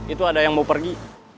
itu ada yang mau pergi